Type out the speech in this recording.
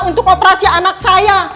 untuk operasi anak saya